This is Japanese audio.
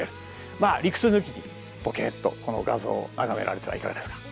まあ理屈抜きにぼけっとこの画像を眺められてはいかがですか？